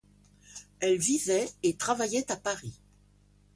Elle vivait et travaillait à Paris.